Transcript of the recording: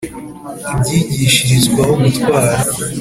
ibyigishirizwaho gutwara